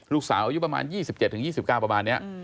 ลูกสาวอายุประมาณ๒๗ถึง๒๙ประมาณเนี่ย